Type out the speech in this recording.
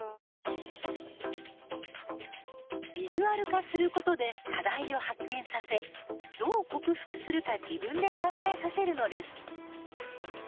ビジュアル化することで課題を発見させどう克服するか自分で考えさせるのです。